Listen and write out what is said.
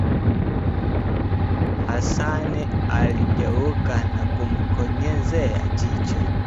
Hasani aligeuka na kumkonyezea jicho